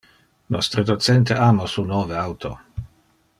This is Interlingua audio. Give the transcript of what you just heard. Nostre docente ama su nove auto.